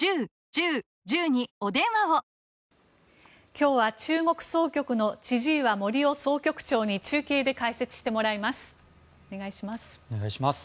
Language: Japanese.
今日は中国総局の千々岩森生総局長に中継で解説してもらいます。